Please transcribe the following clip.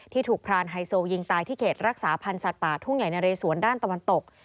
ถูกพรานไฮโซยิงตายที่เขตรักษาพันธ์สัตว์ป่าทุ่งใหญ่นะเรสวนด้านตะวันตก